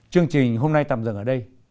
chương trình hôm nay tạm dừng ở đây